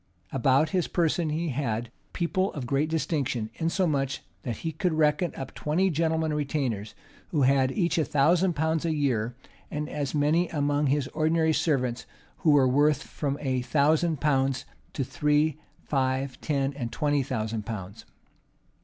About his person he had people of great distinction; insomuch that he could reckon up twenty gentlemen retainers who had each a thousand pounds a year; and as many among his ordinary servants who were worth from a thousand pounds to three, five, ten, and twenty thousand pounds.